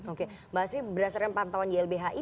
oke mbak asmi berdasarkan pantauan di lbhi